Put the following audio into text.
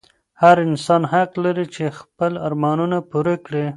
هر انسان حق لري چې خپل ارمانونه پوره کړي.